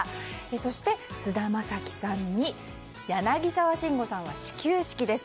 そして、菅田将暉さんに柳沢慎吾さんが始球式です。